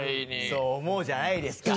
そう思うじゃないですか。